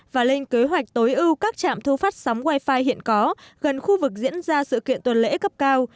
và lên kế hoạch tối ưu các trạm thu phát sóng wifi hiện có gần khu vực diễn ra sự kiện tuần lễ cấp cao